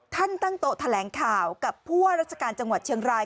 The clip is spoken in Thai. ตั้งโต๊ะแถลงข่าวกับผู้ว่าราชการจังหวัดเชียงราย